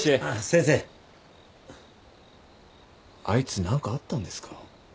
あいつ何かあったんですか？